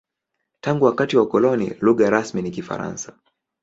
Tangu wakati wa ukoloni, lugha rasmi ni Kifaransa.